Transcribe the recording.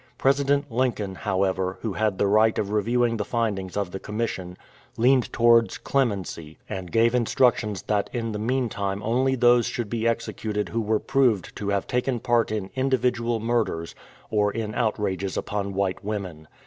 President Lincoln, however, who had the right of review ing the findings of the commission, leaned towards 223 THE DAKOTA PRISONERS clemency, and gave instructions that in the meantime only those should be executed who were proved to have taken part in individual murders or in outrages upon white women.